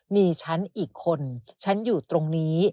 มีฉันอีกคนฉันอยู่ตรงนี้